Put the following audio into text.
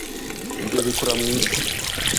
ibyo bikura mu isi